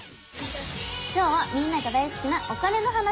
今日はみんなが大好きなお金の話！